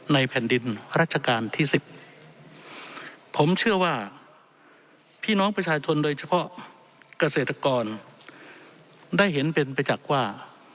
แผ่นดินรัชกาลที่สิบผมเชื่อว่าพี่น้องประชาชนโดยเฉพาะเกษตรกรได้เห็นเป็นไปจากว่า